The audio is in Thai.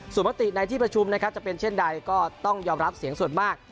ส่วนมติในที่ประชุมนะครับจะเป็นเช่นใดก็ต้องยอมรับเสียงส่วนมาก